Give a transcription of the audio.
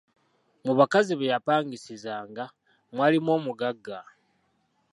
Mu bakazi be yapangisizanga mwalimu omugagga.